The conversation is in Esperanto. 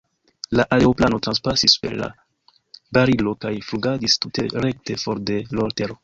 La aeroplano transpasis super la barilo kaj flugadis tute rekte for de l' tero.